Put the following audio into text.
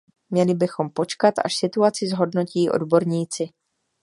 Měli bychom počkat, až situaci zhodnotí odborníci.